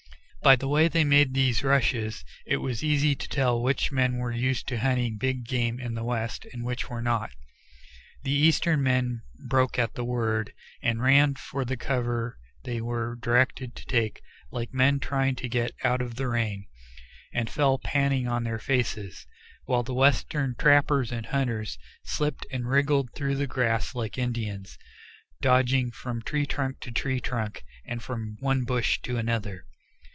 By the way they made these rushes, it was easy to tell which men were used to hunting big game in the West and which were not. The Eastern men broke at the word, and ran for the cover they were directed to take like men trying to get out of the rain, and fell panting on their faces, while the Western trappers and hunters slipped and wriggled through the grass like Indians; dodging from tree trunk to tree trunk, and from one bush to another.